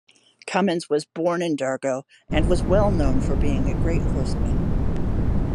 Cummins was born in Dargo and was well known for being a great horseman.